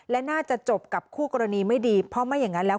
และน่าจะจบกับคู่กรณีไม่ดีเพราะไม่อย่างนั้นแล้ว